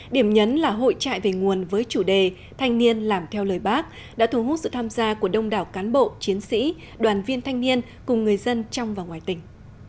điểm nhấn là hội trại về nguồn với chủ đề thanh niên làm theo lời bác đã thu hút sự tham gia của đông đảo cán bộ chiến sĩ đoàn viên thanh niên cùng người dân trong và ngoài tỉnh